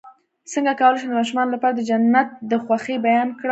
څنګه کولی شم د ماشومانو لپاره د جنت د خوښۍ بیان کړم